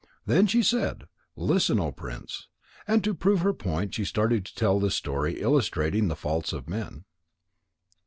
Then she said, "Listen, O Prince," and to prove her point she started to tell this story illustrating the faults of men.